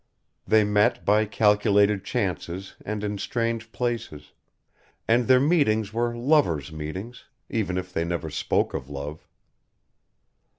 They met by calculated chances and in strange places; and their meetings were lovers' meetings, even if they never spoke of love.